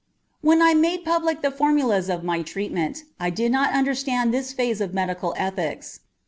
When I made public the formulas of my treatment, I did not understand this phase of medical ethics.